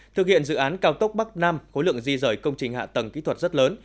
thực hiện dự án cao tốc bắc nam khối lượng di rời công trình hạ tầng kỹ thuật rất lớn